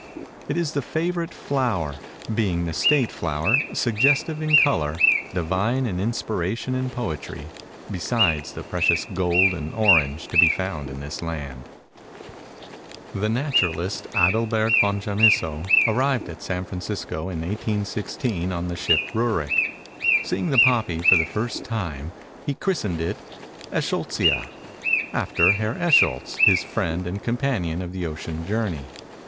It is the favorite flower, being the State flower, suggestive in color, divine in inspiration and poetry, besides the precious gold and orange to be found in this land. The naturalist Adalbert von Chamisso arrived at San Francisco in 1816 on the ship Rurick. Seeing the poppy for the first time, he christened it Eschscholtzia (esh sholts i a), after Herr Eschscholtz, his friend and companion of the ocean journey.